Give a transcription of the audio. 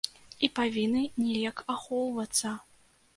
І павінны неяк ахоўвацца.